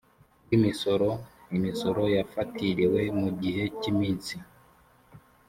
bw imisoro imisoro yafatiriwe mu gihe cy iminsi